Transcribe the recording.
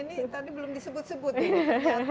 ini tadi belum disebut sebutin